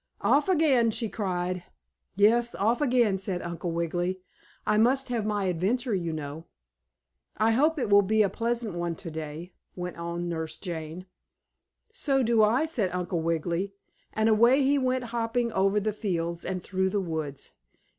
"Off again!" she cried. "Yes, off again," said Uncle Wiggily. "I must have my adventure, you know." "I hope it will be a pleasant one today," went on Nurse Jane. "So do I," said Uncle Wiggily, and away he went hopping over the fields and through the woods.